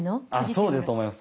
そうだと思います。